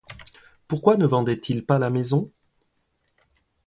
Pourquoi ne vendaient-ils pas la maison?